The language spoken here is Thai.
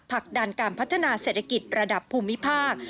ผลักดันการพัฒนาเศรษฐกิจระดับภูมิภาค